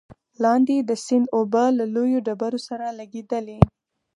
لاندې د سيند اوبه له لويو ډبرو سره لګېدلې،